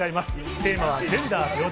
テーマはジェンダー平等。